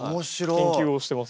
研究をしてます。